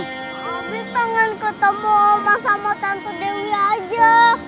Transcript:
abi pengen ketemu omah sama tante dewi aja